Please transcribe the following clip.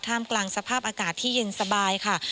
กลางสภาพอากาศที่เย็นสบายค่ะ